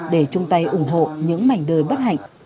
để chung tay ủng hộ những mảnh đời bất hạnh